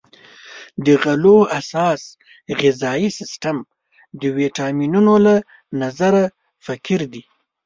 د غلو اساس غذایي سیستم د ویټامینونو له نظره فقیر دی.